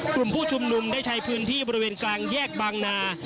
กลุ่มผู้ชุมนุมได้ใช้พื้นที่บริเวณกลางแยกบางนา